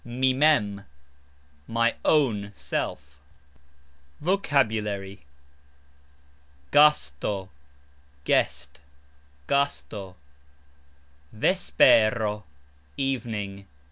"Mi mem," my (own) self. VOCABULARY. gasto : guest. montr : show. vespero : evening.